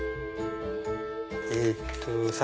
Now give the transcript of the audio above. えっと